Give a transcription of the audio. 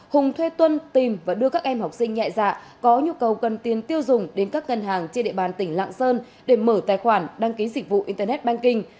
hùng thuê tuân tìm và đưa các em học sinh nhẹ dạ có nhu cầu cần tiền tiêu dùng đến các ngân hàng trên địa bàn tỉnh lạng sơn để mở tài khoản đăng ký dịch vụ internet banking